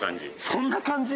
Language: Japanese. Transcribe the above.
そんな感じ